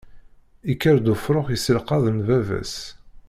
Ikker-d ufrux yesselqaḍen baba-s.